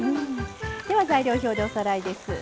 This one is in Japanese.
材料表でおさらいです。